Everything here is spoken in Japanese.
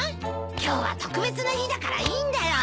今日は特別な日だからいいんだよ。